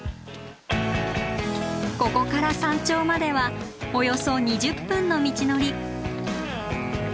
ここから山頂まではおよそ２０分の道のり。